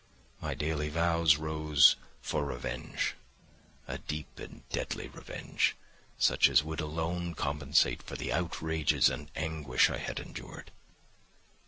My daily vows rose for revenge—a deep and deadly revenge, such as would alone compensate for the outrages and anguish I had endured.